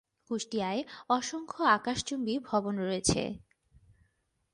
কুষ্টিয়ায় অসংখ্য আকাশচুম্বী ভবন রয়েছে।